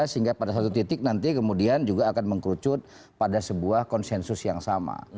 sehingga pada satu titik nanti kemudian juga akan mengkerucut pada sebuah konsensus yang sama